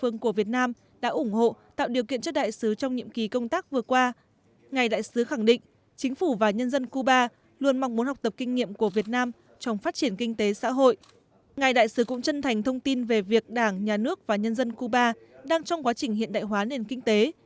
ngày đại sứ cũng chân thành thông tin về việc đảng nhà nước và nhân dân cuba đang trong quá trình hiện đại hóa nền kinh tế